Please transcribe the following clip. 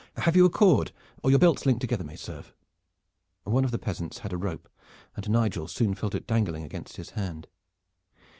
"Have you a cord? Or your belts linked together may serve." One of the peasants had a rope, and Nigel soon felt it dangling against his hand.